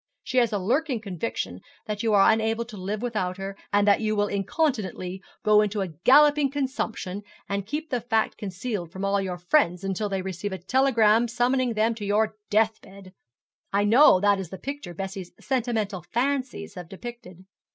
She has a lurking conviction that you are unable to live without her, that you will incontinently go into a galloping consumption, and keep the fact concealed from all your friends until they receive a telegram summoning them to your death bed. I know that is the picture Bessie's sentimental fancies have depicted.'